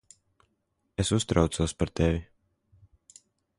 Es uztraucos par tevi.